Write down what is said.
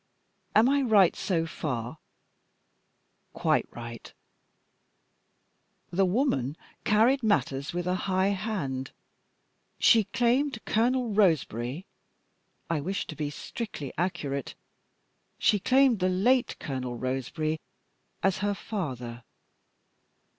Am I right, so far?" "Quite right." "The woman carried matters with a high hand. She claimed Colonel Roseberry I wish to be strictly accurate she claimed the late Colonel Roseberry as her father.